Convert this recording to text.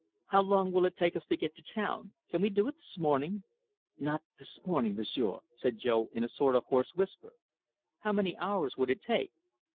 "How long will it take us to get to town? Can we do it this morning?" "Not this morning, M'sieu'," said Jo, in a sort of hoarse whisper. "How many hours would it take?"